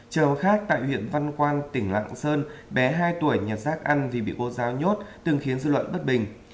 chờ khác tại huyện văn quan tỉnh lạng sơn bé hai tuổi nhặt rác ăn vì bị cô giáo nhốt từng khiến dư luận bất bình